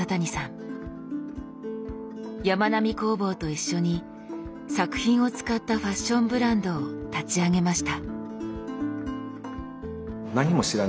やまなみ工房と一緒に作品を使ったファッションブランドを立ち上げました。